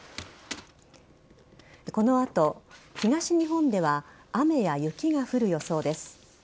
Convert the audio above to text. この後、東日本では雨や雪が降る予想です。